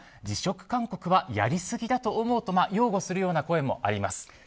辞職勧告はやりすぎだと思うと擁護するような声もあります。